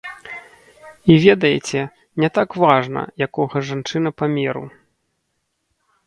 І ведаеце, не так важна, якога жанчына памеру.